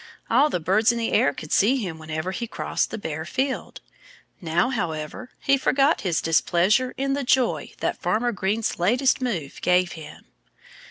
All the birds in the air could see him whenever he crossed the bare field. Now, however, he forgot his displeasure in the joy that Farmer Green's latest move gave him.